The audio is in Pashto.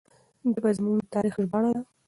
ژبه زموږ د تاریخ ژباړه ده.